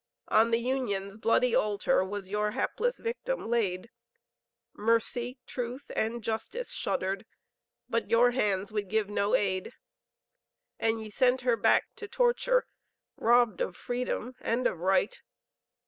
On the Union's bloody altar, Was your hapless victim laid; Mercy, truth and justice shuddered, But your hands would give no aid. And ye sent her back to torture, Robbed of freedom and of right.